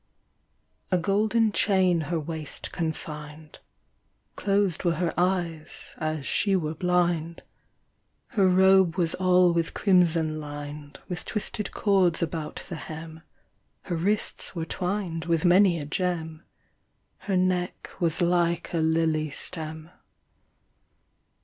A golden chain her waist confined, Closed were her eyes, as she were blind. Her robe was all with crimson lined, With twisted cords about the hem, Her wrists were twined with many a gem, Her neck was like a lily stem.